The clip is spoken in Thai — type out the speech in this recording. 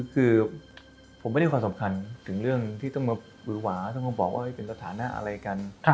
คือผมไม่ได้ความสำคัญถึงเรื่องที่ต้องมาหวือหวาต้องมาบอกว่าเป็นสถานะอะไรกัน